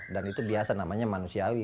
dan itu biasa namanya manusiawi